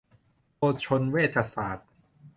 โภชนเวชศาสตร์